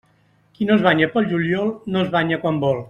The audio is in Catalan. Qui no es banya pel juliol, no es banya quan vol.